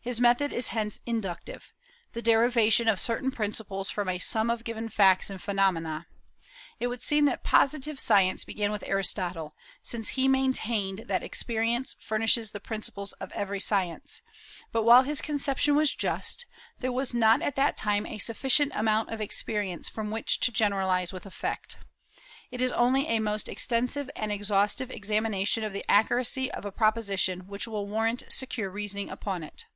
His method is hence inductive, the derivation of certain principles from a sum of given facts and phenomena. It would seem that positive science began with Aristotle, since he maintained that experience furnishes the principles of every science; but while his conception was just, there was not at that time a sufficient amount of experience from which to generalize with effect. It is only a most extensive and exhaustive examination of the accuracy of a proposition which will warrant secure reasoning upon it.